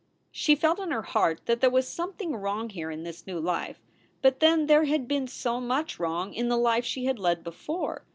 She felt in her heart that there was something wrong here in this new life. But then there had been so much wrong in the life she had led before.